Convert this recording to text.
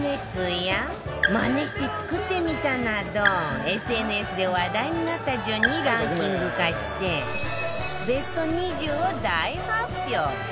数や「マネして作ってみた」など ＳＮＳ で話題になった順にランキング化してベスト２０を大発表！